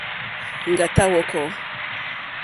Ŋɡàtá hwɔ̄kɔ̄.